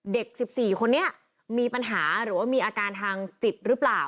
เด็ก๑๔คนนี้มีปัญหาหรือว่ามีอาการทางจิตหรือเปล่า